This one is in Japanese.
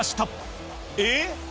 えっ！